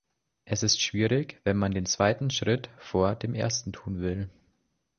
Es ist schwierig, wenn man den zweiten Schritt vor dem ersten tun will.